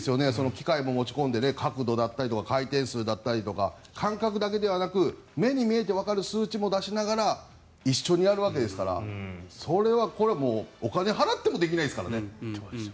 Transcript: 機械も持ち込んで角度だったり回転数だったりとか感覚だけではなく目に見えてわかる数値も出しながら一緒にやるわけですからそれはお金を払ってもできないですからね。